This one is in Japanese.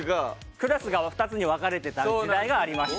クラスが２つに分かれてた時代がありました。